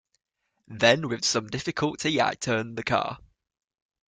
Then with some difficulty I turned the car.